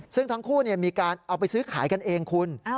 ซึ่งทั้งคู่มีการเอาไปซื้อขายกันเองคุณ